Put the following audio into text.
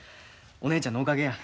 お姉ちゃんのおかげや。